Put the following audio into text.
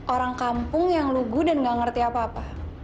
orang kampung yang lugu dan gak ngerti apa apa